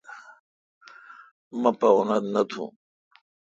مہ پا اوتھ نہ تھون۔